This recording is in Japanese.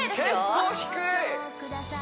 結構低い！